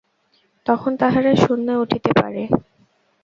তখন তাহারা শূন্যে উঠিতে পারে।